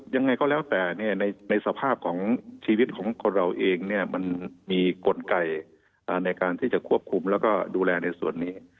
ยังไงก็แล้วแต่ในสภาพของชีวิตของคนเราเองเนี่ยมันมีกลไกในการที่จะควบคุมแล้วก็ดูแลในส่วนนี้